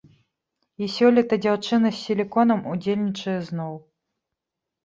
І сёлета дзяўчына з сіліконам удзельнічае зноў.